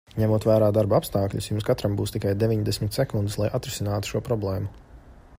Ņemot vērā darba apstākļus, jums katram būs tikai deviņdesmit sekundes, lai atrisinātu šo problēmu.